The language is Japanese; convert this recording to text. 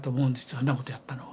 そんなことやったのは。